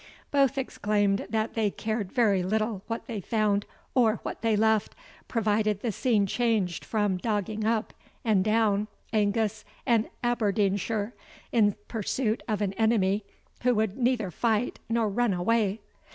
Both exclaimed that they cared very little what they found or what they left, provided the scene changed from dogging up and down Angus and Aberdeenshire, in pursuit of an enemy who would neither fight nor run away.